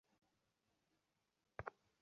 Hello -কোথায় তোরা?